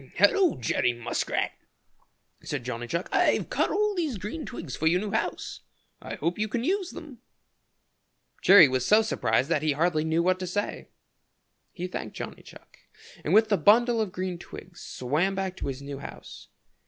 "Hello, Jerry Muskrat," said Johnny Chuck. "I've cut all these green twigs for your new house. I hope you can use them." Jerry was so surprised that he hardly knew what to say. He thanked Johnny Chuck, and with the bundle of green twigs swam back to his new house.